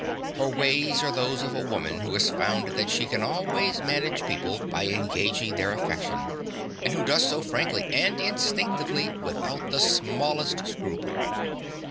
Her ways are those of a woman who has found that she can always manage people by engaging their affection, and who does so frankly and instinctively without the smallest scruple.